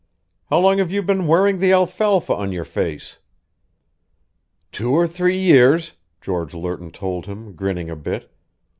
How long have you been wearing the alfalfa on your face?" "Two or three years," George Lerton told him, grinning a bit.